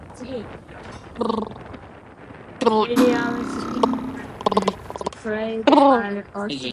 An antifeminist backlash also occurred.